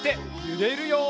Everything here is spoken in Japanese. ゆれるよ。